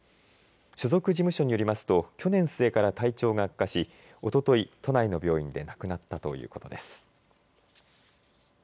所属事務所によりますと去年末から体調が悪化しおととい、都内の病院で亡くなったということです。